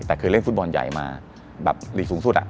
แต่คือเล่นฟุตบอลใหญ่มาแบบหลีกสูงสุด